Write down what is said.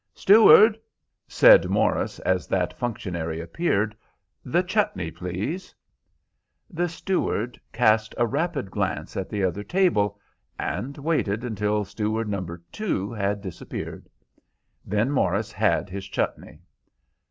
Steward," said Morris, as that functionary appeared, "the chutney, please." The steward cast a rapid glance at the other table, and waited until steward number two had disappeared. Then Morris had his chutney.